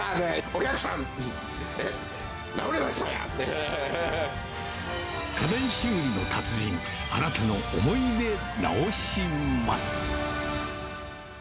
お客さん、家電修理の達人、あなたの思い出直します。